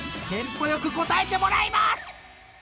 ［テンポ良く答えてもらいます！］